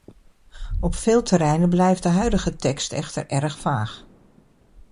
Op veel terreinen blijft de huidige tekst echter erg vaag.